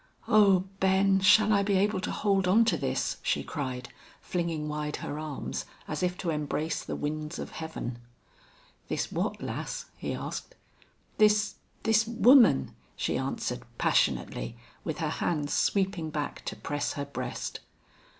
"Oh, Ben shall I be able to hold onto this?" she cried, flinging wide her arms, as if to embrace the winds of heaven. "This what, lass?" he asked. "This this woman!" she answered, passionately, with her hands sweeping back to press her breast.